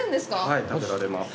はい、食べられます。